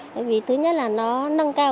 bởi vì thứ nhất là nó nâng cao